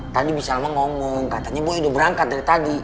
tadi bisalma ngomong katanya boy udah berangkat dari tadi